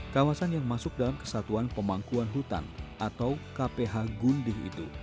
kawasan yang masuk dalam kesatuan pemangkuan hutan atau kph gundi itu